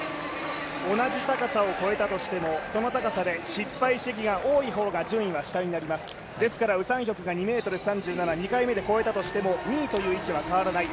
同じ高さを越えたとしても失敗試技が多い方が順位は下になります、ですから、ウ・サンヒョクが２ｍ３７、２回目で越えたとしても２位という位置は変わらない。